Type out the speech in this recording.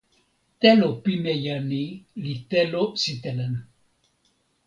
telo pimeja ni li telo sitelen.